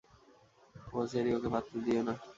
ও Cherry, ওকে পাত্তা দিও না।